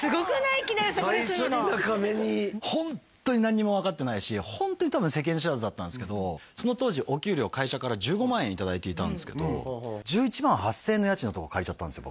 いきなりそこに住むの最初に中目にホントに何にも分かってないしホントに多分世間知らずだったんですけどその当時お給料を会社から１５万円いただいていたんですけど１１万８０００円の家賃のとこ借りちゃったんですよ